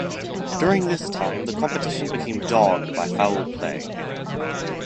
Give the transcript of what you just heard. During this time, the competition became dogged by foul play.